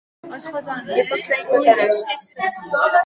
Yiqilsang, koʻtarar